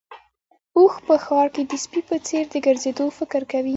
اوښ په ښار کې د سپي په څېر د ګرځېدو فکر کوي.